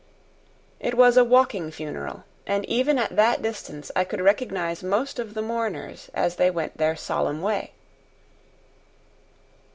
It was a walking funeral, and even at that distance I could recognize most of the mourners as they went their solemn way.